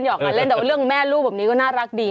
ออกมาเล่นแต่ว่าเรื่องแม่ลูกแบบนี้ก็น่ารักดี